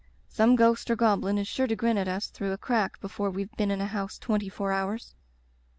Some ghost or goblin is sure to grin at us through a crack before we Ve been in a house twenty four hours.'